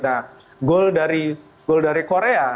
nah gol dari korea